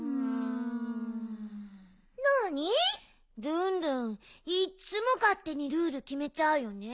ルンルンいっつもかってにルールきめちゃうよね。